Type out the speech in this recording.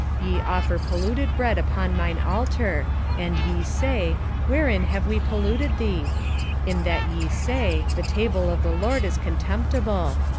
1:7 Ye offer polluted bread upon mine altar; and ye say, Wherein have we polluted thee? In that ye say, The table of the LORD is contemptible.